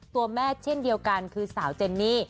ตัวแม่เช่นเดียวกันคือสาวเจนนี่